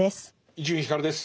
伊集院光です。